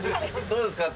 どうですか？